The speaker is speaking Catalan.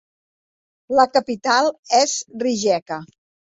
La capital és Rijeka.